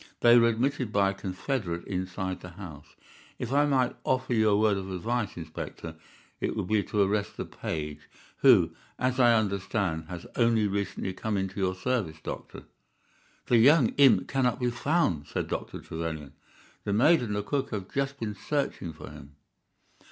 They were admitted by a confederate inside the house. If I might offer you a word of advice, Inspector, it would be to arrest the page, who, as I understand, has only recently come into your service, Doctor." "The young imp cannot be found," said Dr. Trevelyan; "the maid and the cook have just been searching for him."